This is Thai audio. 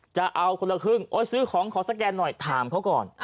จะเอาคนละครึ่งโอ๊ยซื้อของขอสแกนหน่อยถามเขาก่อน